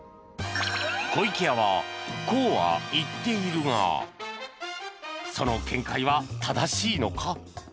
湖池屋はこうは言っているがその見解は正しいのか？